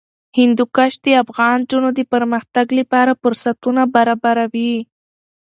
هندوکش د افغان نجونو د پرمختګ لپاره فرصتونه برابروي.